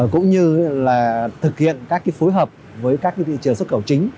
cũng như là thực hiện các cái phối hợp với các cái thị trường xuất khẩu chính